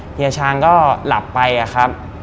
เฮียช้างก็หลับไปอะครับ